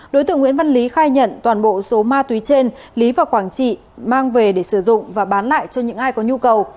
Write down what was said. đối tượng nguyễn văn lý khai nhận toàn bộ số ma túy trên lý và quảng trị mang về để sử dụng và bán lại cho những ai có nhu cầu